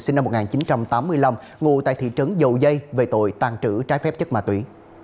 sinh năm một nghìn chín trăm tám mươi năm ngủ tại thị trấn dầu dây về tội tàn trữ trái phép chất ma túy